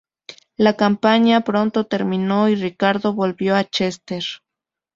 La campaña pronto terminó y Ricardo volvió a Chester.